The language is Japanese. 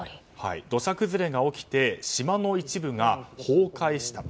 土砂崩れが起きて島の一部が崩壊した。